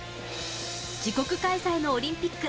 自国開催のオリンピック。